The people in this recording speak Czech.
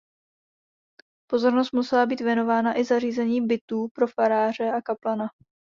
Pozornost musela být věnována i zařízení bytů pro faráře a kaplana.